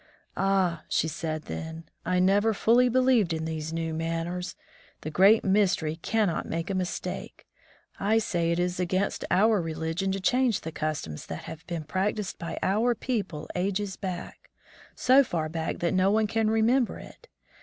"Ah," she said then, "I never fully believed in these new manners ! The Great Mystery cannot make a mistake. I say it is against our religion to change the customs that have been practiced by our people ages back — so far back that no one can remember it.